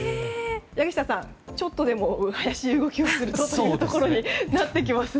柳下さん、ちょっとでも怪しい動きをするとということになりますね。